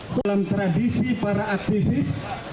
dalam tradisi para aktivis